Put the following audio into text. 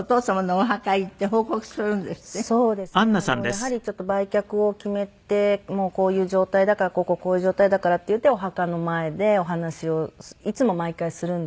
やはりちょっと売却を決めてもうこういう状態だからこうこうこういう状態だからっていってお墓の前でお話をいつも毎回するんですけど。